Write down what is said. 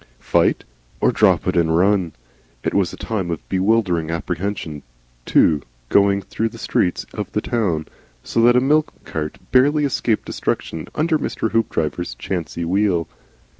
Fight? Or drop it and run? It was a time of bewildering apprehension, too, going through the streets of the town, so that a milk cart barely escaped destruction under Mr. Hoopdriver's chancy wheel.